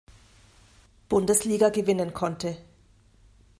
Bundesliga gewinnen konnte.